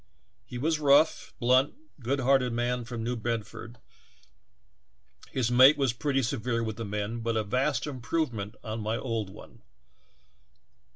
He was a rough, blunt, good hearted man from New Bedford; his mate was pretty severe Avith the men, but a vast improvement on my old one.